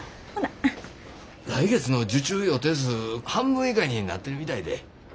来月の受注予定数半分以下になってるみたいで。